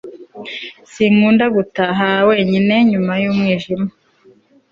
sinkunda gutaha wenyine nyuma y'umwijima